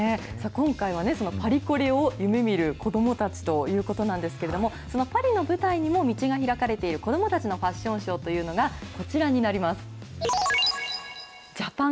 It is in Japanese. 今回はパリコレを夢みる子どもたちということなんですけれども、そのパリの舞台にも道が開かれている子どもたちのファッションショーというのがこちらになります。